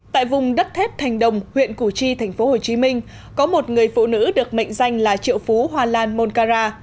tại vùng đất thép thành đồng huyện củ chi tp hcm có một người phụ nữ được mệnh danh là triệu phú hoa lan moncara